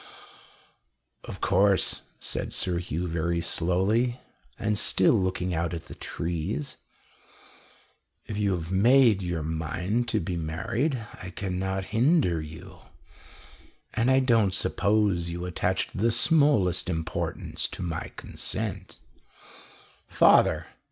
"Of course," said Sir Hugh very slowly, and still looking out at the trees, "if you have made up your mind to be married, I cannot hinder you, and I don't suppose you attach the smallest importance to my consent " "Father!"